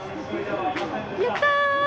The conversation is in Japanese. やった！